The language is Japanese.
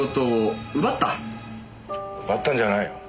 奪ったんじゃない。